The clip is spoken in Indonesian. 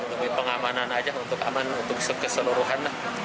demi pengamanan saja untuk aman untuk keseluruhan